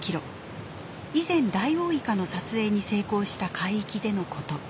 以前ダイオウイカの撮影に成功した海域でのこと。